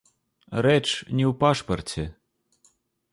Рэч не ў пашпарце.